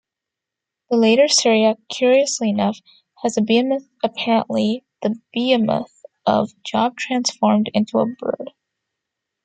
The later Syriac, curiously enough, has behemoth-apparently the behemoth of Job-transformed into a bird.